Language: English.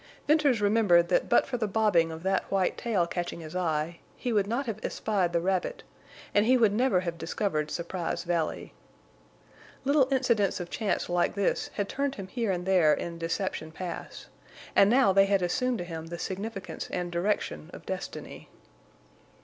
Venters remembered that but for the bobbing of that white tail catching his eye he would not have espied the rabbit, and he would never have discovered Surprise Valley. Little incidents of chance like this had turned him here and there in Deception Pass; and now they had assumed to him the significance and direction of destiny.